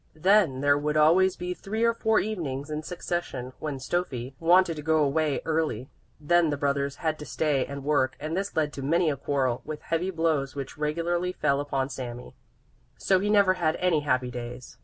Then there would always be three or four evenings in succession when Stöffi wanted to go away early; then the brothers had to stay and work, and this led to many a quarrel, with heavy blows which regularly fell upon Sami. So he never had any happy days.